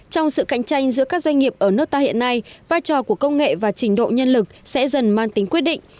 trong sự cạnh tranh giữa các doanh nghiệp ở nước ta hiện nay vai trò của công nghệ và trình độ nhân lực sẽ dần mang tính quyết định